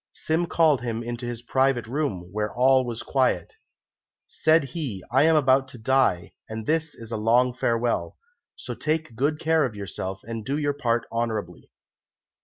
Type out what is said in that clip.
Sim called him into his private room, where all was quiet. Said he, "I am about to die, and this is a long farewell, so take good care of yourself, and do your part honourably."